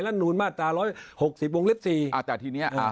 และนูนมาตรฐาน๑๖๐วงเล็บ๔